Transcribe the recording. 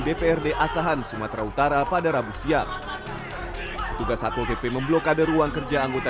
dprd asahan sumatera utara pada rabu siang petugas satpol pp memblokade ruang kerja anggota